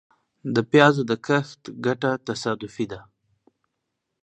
د پيازو د کښت ګټه تصادفي ده .